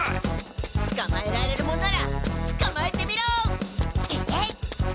つかまえられるもんならつかまえてみろ！